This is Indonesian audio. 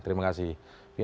terima kasih vina